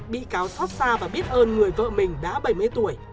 bị cáo xót xa và biết ơn người vợ mình đã bảy mươi tuổi